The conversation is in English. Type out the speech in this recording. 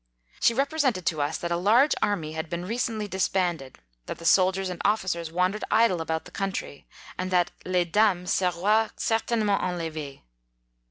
She represented to us that a large army had been recently disbanded, that the soldiers and officers wandered idle about the country, and that les Dames se roient certainement enlevees.